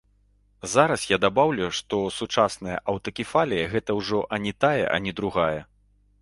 Зараз я дабаўлю, што сучасная аўтакефалія гэта ўжо ані тая, ані другая.